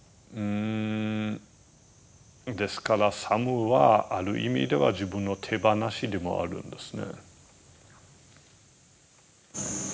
ですから作務はある意味では自分の手放しでもあるんですね。